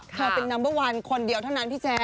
เธอเป็นนัมเบอร์วันคนเดียวเท่านั้นพี่แจ๊